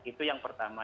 itu yang pertama